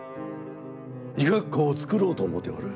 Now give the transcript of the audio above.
医学校を作ろうと思っておる。